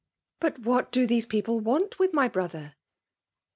" But what do these people want with my brother?"